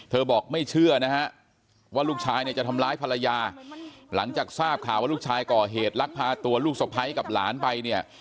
บอกไม่เชื่อนะฮะว่าลูกชายเนี่ยจะทำร้ายภรรยาหลังจากทราบข่าวว่าลูกชายก่อเหตุลักพาตัวลูกสะพ้ายกับหลานไปเนี่ย